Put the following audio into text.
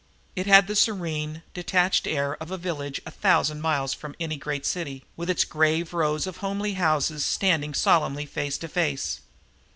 It had the serene, detached air of a village a thousand miles from any great city, with its grave rows of homely houses standing solemnly face to face.